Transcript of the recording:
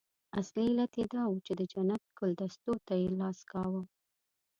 اصلي علت یې دا وو چې د جنت ګلدستو ته یې لاس کاوه.